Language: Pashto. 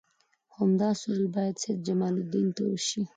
همدا سوال باید د سید جمال الدین نه وشي.